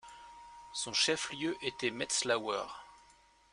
Son chef-lieu était Metslawier.